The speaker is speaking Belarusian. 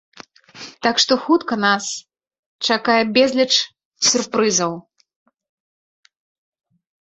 Так што хутка нас чакае безліч сюрпрызаў.